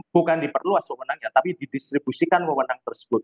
bukan diperluas mewenangnya tapi didistribusikan mewenang tersebut